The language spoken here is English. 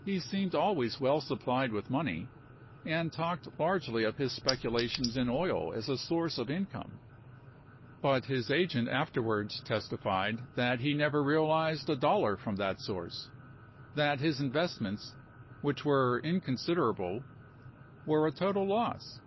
He seemed always well supplied with money, and talked largely of his speculations in oil as a source p. 45. ' of income ; but his agent afterwards testified that he never realized a dollar from that source ; that his investments, which were inconsiderable, were a total loss.